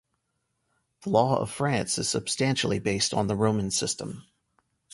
The law of France is substantially based on the Roman system.